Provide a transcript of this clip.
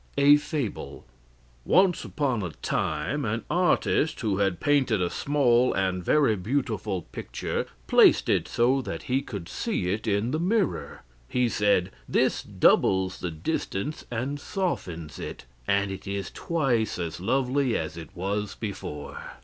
A FABLE Once upon a time an artist who had painted a small and very beautiful picture placed it so that he could see it in the mirror. He said, "This doubles the distance and softens it, and it is twice as lovely as it was before."